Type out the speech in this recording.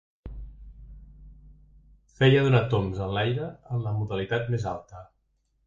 Feia donar tombs enlaire, en la modalitat més alta.